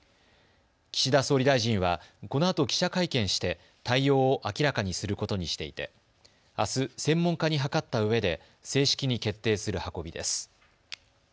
岸田総理大臣はこのあと記者会見して対応を明らかにすることにしていてあす、専門家に諮ったうえで正式に決定する運びです。